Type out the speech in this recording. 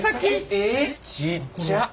えちっちゃ！